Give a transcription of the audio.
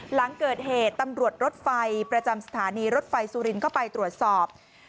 หลังเกิดเหตุตำรวจรถไฟประจำสถานีรถไฟสุรินทร์เข้าไปตรวจสอบ